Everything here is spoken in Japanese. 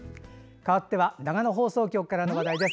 かわっては長野放送局からの話題です。